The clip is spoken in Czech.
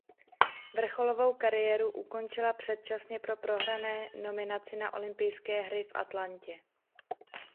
Vrcholovou kariéru ukončila předčasně po prohrané nominaci na olympijské hry v Atlantě.